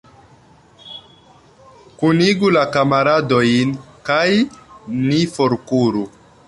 Kunigu la kamaradojn, kaj ni forkuru.